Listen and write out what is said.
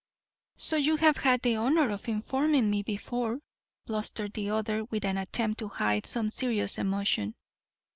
"So you have had the honour of informing me before," blustered the other with an attempt to hide some serious emotion.